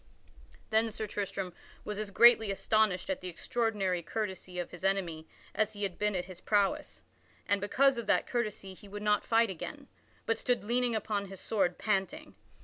Then Sir Tristram was as greatly astonished at the extraordinary courtesy of his enemy as he had been at his prowess. And because of that courtesy he would not fight again, but stood leaning upon his sword panting.